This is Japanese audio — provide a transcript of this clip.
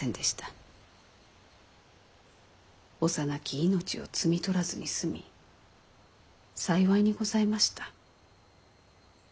幼き命を摘み取らずに済み幸いにございました。